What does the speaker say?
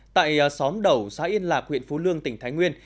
tại xóm đầu xã yên lạc huyện phú lương tỉnh thái nguyên